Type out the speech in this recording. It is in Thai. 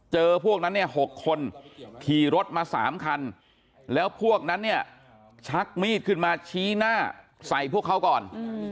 พวกนั้นเนี่ย๖คนขี่รถมา๓คันแล้วพวกนั้นเนี่ยชักมีดขึ้นมาชี้หน้าใส่พวกเขาก่อน